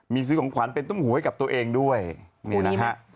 มีซื้อของขวัญเป็นตุ้มหูให้กับตัวเองด้วยนี่นะฮะ